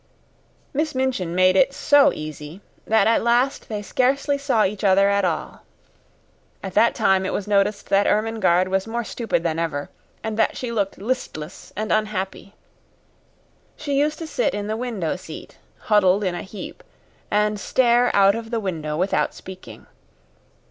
Miss Minchin made it so easy that at last they scarcely saw each other at all. At that time it was noticed that Ermengarde was more stupid than ever, and that she looked listless and unhappy. She used to sit in the window seat, huddled in a heap, and stare out of the window without speaking.